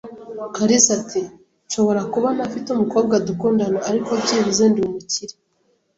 kalisa ati: "Nshobora kuba ntafite umukobwa dukundana, ariko byibuze ndi umukire."